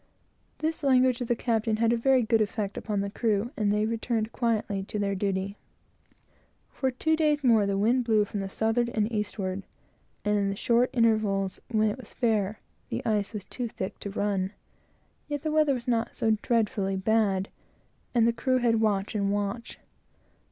This language of the captain had a very good effect upon the crew, and they returned quietly to their duty. For two days more the wind blew from the southward and eastward; or in the short intervals when it was fair, the ice was too thick to run; yet the weather was not so dreadfully bad, and the crew had watch and watch.